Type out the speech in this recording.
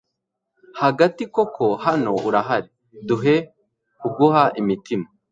hagati, koko hano urahari, duhe kuguha imitima